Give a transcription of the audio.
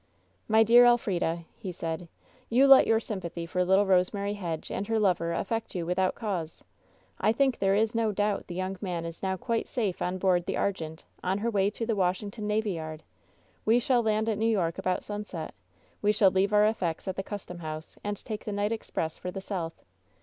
"My dear Elfrida," he said, "you let your sympathy for little Rosemary Hedge and her lover affect you with out cause. I think there is no doubt the young man is now quite safe on board the Argente, on her way to the "Washington Navy Yard. We shall land at New York about sunset. We shall leave our effects at the custom house and take the night express for the South.